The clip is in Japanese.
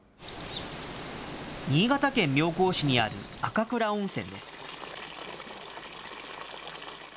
新潟県妙高市にある赤倉温泉です。